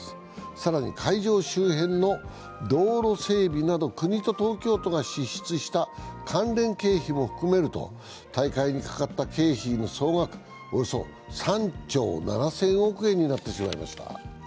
更に会場周辺の道路整備など国と東京都が支出した関連経費も含めると、大会にかかった経費の総額、およそ３兆７０００億円になってしまいました。